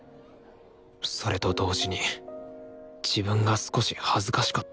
それと同時に自分が少し恥ずかしかった。